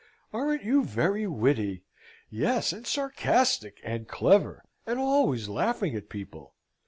Aren't you very witty? Yes, and sarcastic, and clever, and always laughing at people?